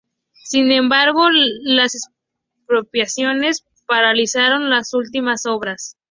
Sin embargo, las expropiaciones paralizaron las últimas obras.